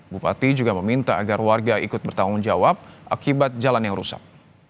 bupati juga meminta agar warga ikut bertanggung jawab akibat jalan yang rusak